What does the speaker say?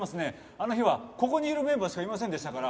あの日はここにいるメンバーしかいませんでしたから。